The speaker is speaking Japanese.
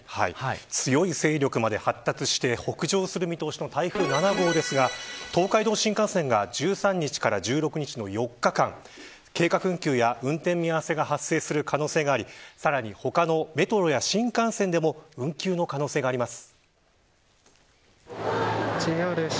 強い勢力まで発達して北上する見通しの台風７号ですが東海道新幹線が１３日から１６日の４日間計画運休や運転見合わせが発生する可能性がありさらに他のメトロや新幹線でも運休の可能性があります。